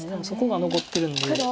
そこが残ってるので。